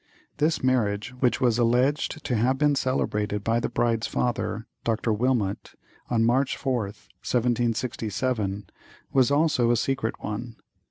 This marriage, which was alleged to have been celebrated by the bride's father, Dr. Wilmot, on March 4th, 1767, was also a secret one.